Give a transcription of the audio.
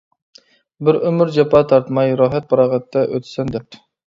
بىر ئۆمۈر جاپا تارتماي، راھەت-پاراغەتتە ئۆتىسەن، -دەپتۇ.